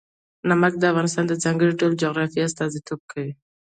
نمک د افغانستان د ځانګړي ډول جغرافیه استازیتوب کوي.